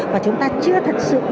và chúng ta chưa thật sự